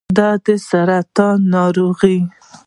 د سرطان ناروغي